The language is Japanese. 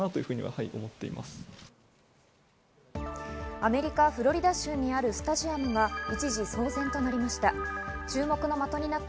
アメリカ・フロリダ州にあるスタジアムが一時騒然となりました。